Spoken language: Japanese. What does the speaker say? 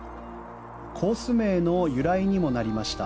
コース名の由来にもなりました